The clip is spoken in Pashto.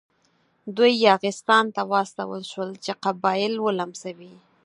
دوی یاغستان ته واستول شول چې قبایل ولمسوي.